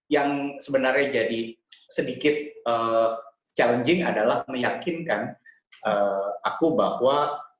yang sebenarnya jadi sedikit challenging adalah meyakinkan aku bahwa